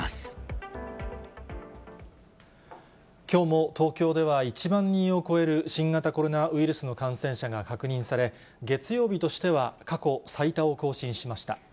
きょうも、東京では１万人を超える新型コロナウイルスの感染者が確認され、月曜日としては過去最多を更新しました。